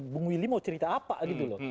bung willy mau cerita apa gitu loh